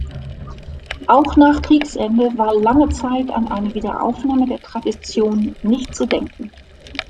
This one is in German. Auch nach Kriegsende war lange Zeit an eine Wiederaufnahme der Tradition nicht zu denken.